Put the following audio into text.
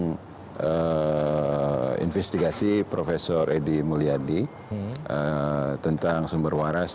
kami mengambil informasi dari investigasi prof edi mulyadi tentang sumber waras